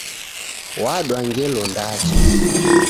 Wadwa ngelo ndacha